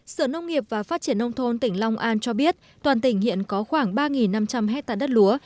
sở nông nghiệp và phát triển nông thôn tỉnh long an cho biết toàn tỉnh hiện có khoảng ba năm trăm linh hectare đất lúa